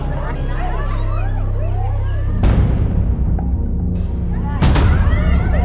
ไฟได้